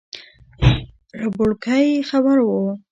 ربړوونکی خبر وو.